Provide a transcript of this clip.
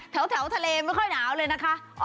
แถวทะเลไม่ค่อยหนาวเลยนะคะ